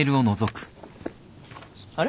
あれ？